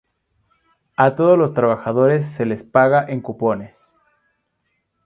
A todos los trabajadores se les paga en cupones.